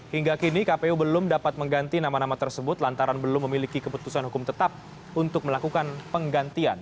hingga kini kpu belum dapat mengganti nama nama tersebut lantaran belum memiliki keputusan hukum tetap untuk melakukan penggantian